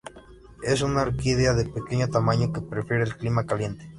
Es una orquídea de pequeño tamaño, que prefiere el clima caliente.